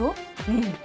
うん。